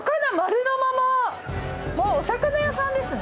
もうお魚屋さんですね。